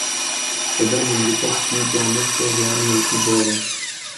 صدر مملکت کی جانب سے غیر ملکی دوروں